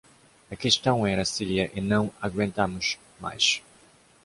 A questão era séria e não aguentamos mais.